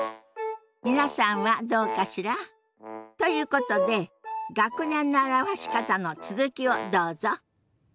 皆さんはどうかしら？ということで学年の表し方の続きをどうぞ。